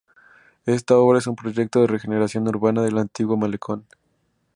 Esta obra es un proyecto de regeneración urbana del antiguo malecón.